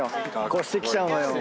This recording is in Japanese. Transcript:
超してきちゃうのよ。